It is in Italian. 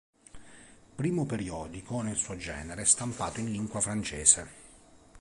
Primo periodico nel suo genere stampato in lingua francese.